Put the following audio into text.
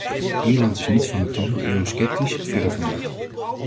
Ierland is niet van nature eurosceptisch - verre van dat.